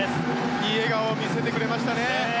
いい笑顔を見せてくれましたね！